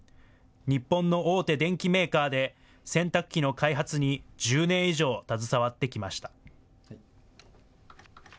日本の大手電機メーカーで、洗濯機の開発に１０年以上携わってきました。